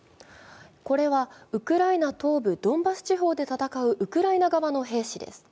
これはウクライナ東部ドンバス地方で戦うウクライナ側の兵士です。